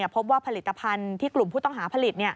พบว่าผลิตภัณฑ์ที่กลุ่มผู้ต้องหาผลิต